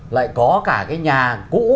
lại có cả cái nhà cũ